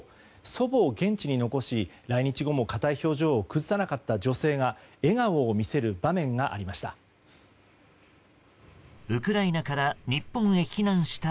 祖母を現地に残し来日後も硬い表情を崩さなかった女性が笑顔を見せる場面がありました。